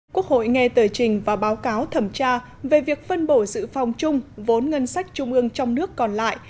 quốc hội nghe tờ trình và báo cáo thẩm tra về việc phân bổ dự phòng chung vốn ngân sách trung ương trong nước còn lại